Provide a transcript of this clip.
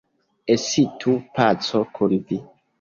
Estu paco kun vi!